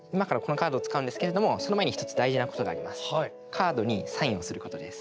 カードにサインをすることです。